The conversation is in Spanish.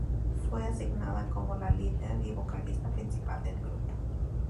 Fue asignada como la líder y vocalista principal del grupo.